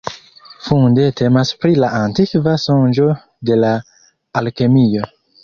Funde temas pri la antikva sonĝo de la alkemio.